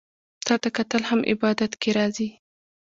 تاته کتل هم عبادت کی راځي